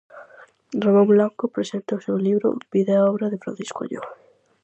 Ramón Blanco presenta o seu libro 'Vida e obra de Francisco Añón'.